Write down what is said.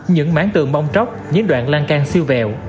những máng tường bông tróc những đoạn lan can siêu vẹo